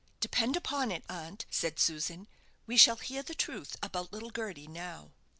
"Depend upon it, aunt," said Susan, "we shall hear the truth about little Gerty now."